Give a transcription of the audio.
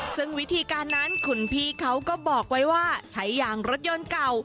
ซึ่งวิธีการนั้นคุณพี่เขาก็บอกไว้ว่าใช้ยางรถยนต์เก่า